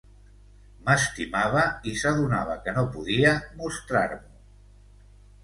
M'estimava i s'adonava que no podia mostrar-m'ho.